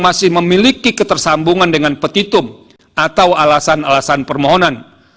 masih memiliki ketersambungan dengan petitum atau alasan alasan permohonan